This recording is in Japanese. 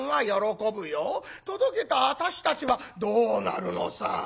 届けた私たちはどうなるのさ。